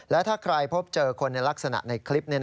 และถ้าใครพบเจอคนในลักษณะในคลิป